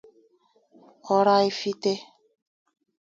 Ọraifite